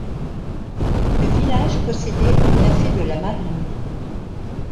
Le village possédait un café de la marine.